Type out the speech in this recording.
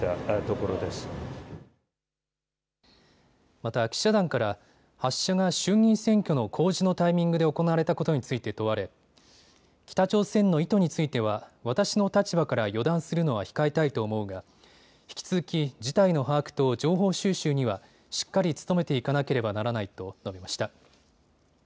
また記者団から発射が衆議院選挙の公示のタイミングで行われたことについて問われ北朝鮮の意図については私の立場から予断するのは控えたいと思うが引き続き事態の把握と情報収集にはしっかり努めていかなければならないと述べました。